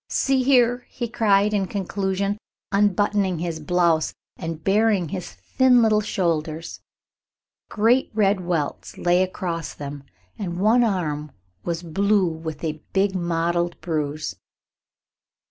"See here!" he cried, in conclusion, unbuttoning his blouse and baring his thin little shoulders. Great red welts lay across them, and one arm was blue with a big mottled bruise.